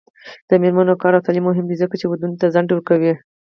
د میرمنو کار او تعلیم مهم دی ځکه چې ودونو ته ځنډ ورکوي.